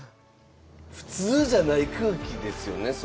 普通じゃない空気ですよね。